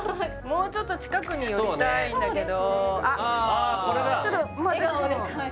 もうちょっと近くに寄りたいんだけどそうですねああ